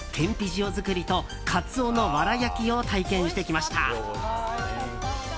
塩作りとカツオのわら焼きを体験してきました。